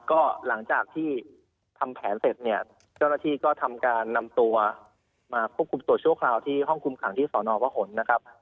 ก็หลังจากที่ทำแผนเสร็จเนี่ยเจ้าหน้าที่ก็ทำการนำตัวมาควบคุมตัวชั่วคราวที่ห้องคุมขังที่สอนอวะขนนะครับ